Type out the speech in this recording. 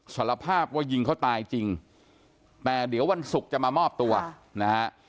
สารภาพว่ายิงเขาตายจริงแต่เดี๋ยววันศุกร์จะมามอบตัวนะฮะ